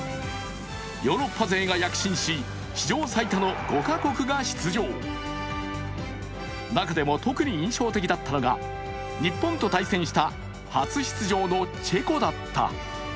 ヨーロッパ勢が躍進し、史上最多５か国が出場。の中でも特に印象的だったのが日本と対戦した初出場のチェコだった。